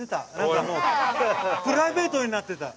プライベートになってた。